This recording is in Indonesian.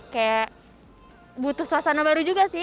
kayak butuh suasana baru juga sih